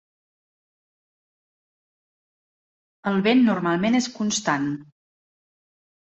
El vent normalment és constant.